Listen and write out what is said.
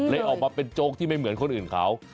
ออกมาเป็นโจ๊กที่ไม่เหมือนคนอื่นเขา